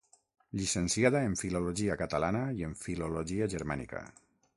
Llicenciada en filologia catalana i en filologia germànica.